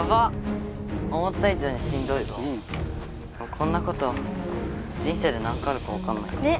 こんなこと人生で何回あるかわかんないから。ね